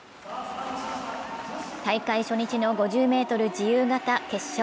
大会初日の５０ｍ自由形決勝。